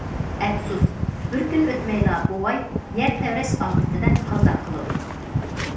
ئەپسۇس، بىر كۈن ئۆتمەيلا بوۋاي يەر تەۋرەش ئاپىتىدە قازا قىلىدۇ.